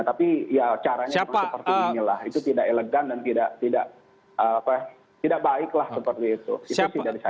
tapi caranya seperti inilah itu tidak elegan dan tidak baiklah seperti itu